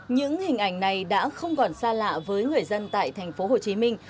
những hình ảnh này đã không còn xa lạ với người dân tại thành phố hồ chí minh